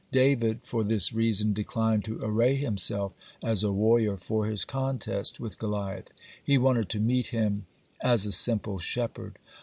(35) David, for this reason, declined to array himself as a warrior for his contest with Goliath. He wanted to meet him as a simple shepherd.